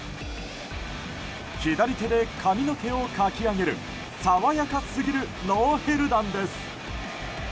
左手で髪の毛をかき上げる爽やかすぎるノーヘル弾です。